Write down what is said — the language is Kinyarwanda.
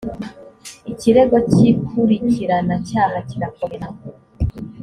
ikirego cy ‘ikurikiranacyaha kirakomera